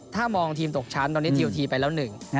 ถ้ามองทีมตกชั้นตอนนี้ทีมตกชั้นไปแล้ว๑